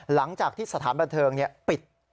หลังจากที่สถานบันเทิงปิด